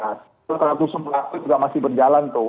itu kalau kusum pelaku itu masih berjalan tuh